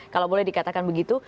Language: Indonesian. kalau boleh dikatakan begitu